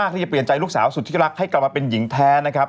ที่จะเปลี่ยนใจลูกสาวสุดที่รักให้กลับมาเป็นหญิงแท้นะครับ